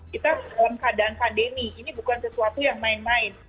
kita dalam keadaan pandemi ini bukan sesuatu yang main main